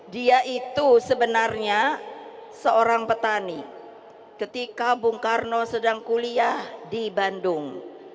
dia itu sebenarnya seorang petani ketika bung karno sedang kuliah di bandung